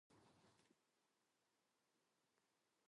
د زړه شریانونه باید پاک وساتل شي.